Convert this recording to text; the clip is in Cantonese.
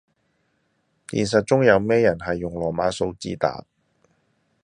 現實中有咩人係用羅馬字打